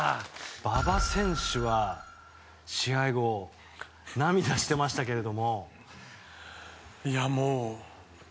馬場選手は試合後涙していましたけれども。